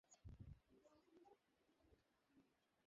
জায়গাটা স্বাভাবিক নয় কেননা দড়িটা রয়েছে মাথার উপর।